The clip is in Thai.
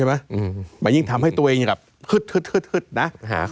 หมายยิ่งทำให้ตัวเองแบบฮึดนะ